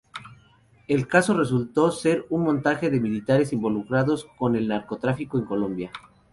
El caso resultó ser un montaje de militares involucrados con el narcotráfico en Colombia.